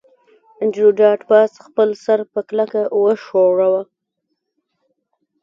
انډریو ډاټ باس خپل سر په کلکه وښوراوه